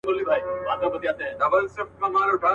په هر ډول واک تر لاسه كولو